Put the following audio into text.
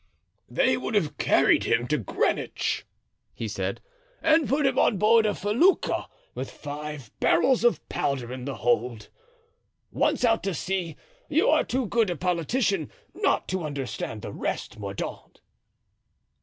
"They would have carried him to Greenwich," he said, "and put him on board a felucca with five barrels of powder in the hold. Once out to sea, you are too good a politician not to understand the rest, Mordaunt."